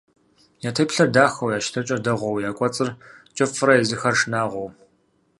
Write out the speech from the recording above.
Я теплъэр дахэу, я щытыкӀэр дэгъуэу, я кӀуэцӀыр кӀыфӀрэ, езыхэр шынагъуэу.